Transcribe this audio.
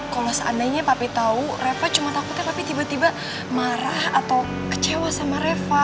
kalau seandainya papi tahu reva cuma takutnya tapi tiba tiba marah atau kecewa sama reva